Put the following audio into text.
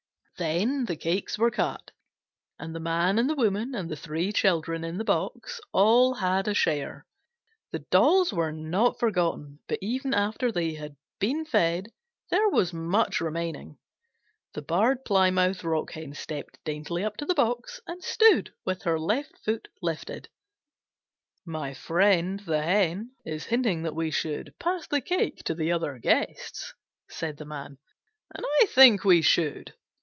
Then the cakes were cut, and the Man and the Woman and the three children in the box all had a share. The dolls were not forgotten, but even after they had been fed there was much remaining. The Barred Plymouth Rock Hen stepped daintily up to the box and stood with her left foot lifted. "My friend, the Hen, is hinting that we should pass the cake to the other guests," said the Man, "and I think we should."